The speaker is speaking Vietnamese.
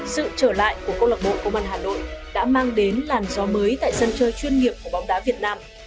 sự trở lại của công an hà nội đã mang đến làn gió mới tại sân chơi chuyên nghiệp